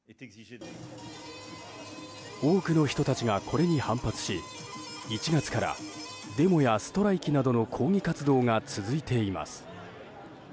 多くの人たちがこれに反発し１月からデモやストライキなどの抗議活動が続いています。